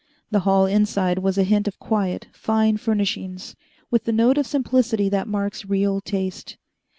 The hall inside was a hint of quiet, fine furnishings, with the note of simplicity that marks real taste.